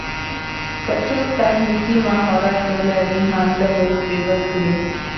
که څوک تخنيکي مهارت لري حمله دې پرې وکړي.